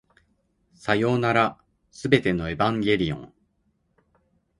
さようなら、全てのエヴァンゲリオン